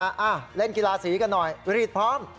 อะอั้าเล่นกีฬาศรีกันหน่อยวิธีพร้อม